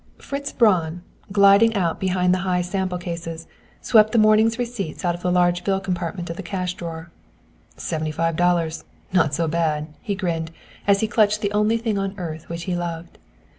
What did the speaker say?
Fritz Braun, gliding out behind the high sample cases, swept the morning's receipts out of the large bill compartment of the cash drawer. "Seventy five dollars. Not so bad," he grinned, as he clutched the only thing on earth which he loved.